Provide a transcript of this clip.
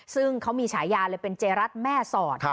ซึ่งเขามีฉายาเลยเป็นเจรัตน์แม่สอด